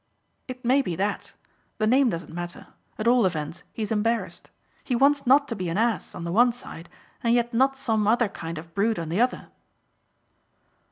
"It may be that; the name doesn't matter; at all events he's embarrassed. He wants not to be an ass on the one side and yet not some other kind of brute on the other."